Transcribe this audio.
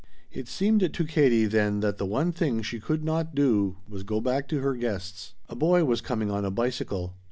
It seemed to Katie then that the one thing she could not do was go back to her guests. A boy was coming on a bicycle.